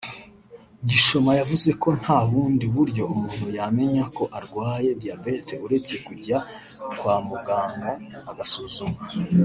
Gishoma yavuze ko nta bundi buryo umuntu yamenya ko arwaye diabète uretse kujya kwa muganga agasuzumwa